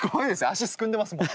足すくんでますもん。